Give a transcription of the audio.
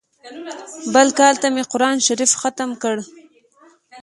بل کال ته مې قران شريف ختم کړ.